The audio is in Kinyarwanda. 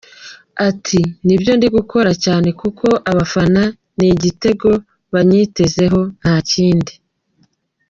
Ati “Nibyo ndimo gukora cyane kuko abafana ni ibitego banyitezeho nta kindi.